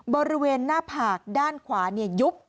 บริเวณหน้าผากด้านขวายุบ